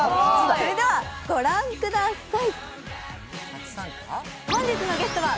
それではご覧ください。